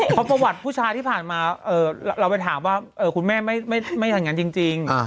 เพราะประวัติผู้ชายที่ผ่านมาเราไปถามว่าคุณแม่ไม่อย่างนั้นจริง